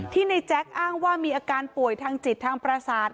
ในแจ๊คอ้างว่ามีอาการป่วยทางจิตทางประสาท